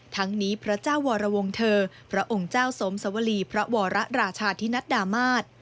ทั้งนี้พระเจ้าวรวงเธอพระองค์เจ้าสมสวรีพระวรราชาธินัดดามาศ